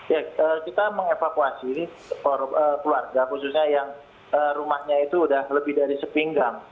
ya kita mengevakuasi keluarga khususnya yang rumahnya itu sudah lebih dari sepinggang